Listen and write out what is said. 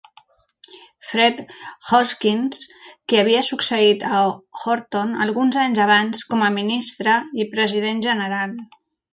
Fred Hoskins, que havia succeït a Horton alguns anys abans com a ministre i president general.